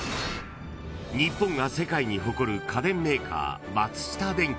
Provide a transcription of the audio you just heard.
［日本が世界に誇る家電メーカー松下電器］